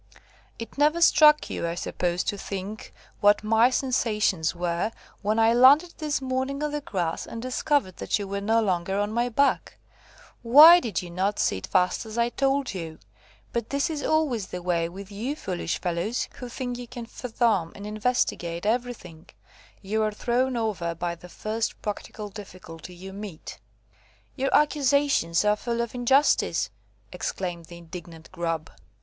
It never struck you, I suppose, to think what my sensations were, when I landed this morning on the grass, and discovered that you were no longer on my back. Why did you not sit fast as I told you? But this is always the way with you foolish fellows, who think you can fathom and investigate everything. You are thrown over by the first practical difficulty you meet." "Your accusations are full of injustice," exclaimed the indignant Grub.